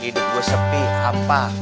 hidup gue sepi hampa